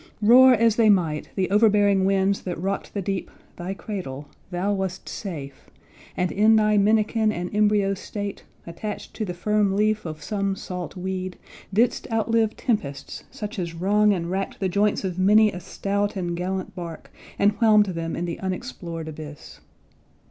Roar as they might, the overbearing winds That rock'd the deep, thy cradle, thou wast safe And in thy minikin and embryo state, Attach'd to the firm leaf of some salt weed, Didst outlive tempests, such as wrung and rack'd The joints of many a stout and gallant bark, And whelm'd them in the unexplor'd abyss.